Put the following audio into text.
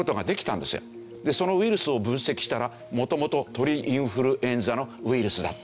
そのウイルスを分析したら元々鳥インフルエンザのウイルスだった。